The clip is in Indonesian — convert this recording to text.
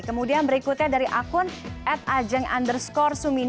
kemudian berikutnya dari akun atajeng underscore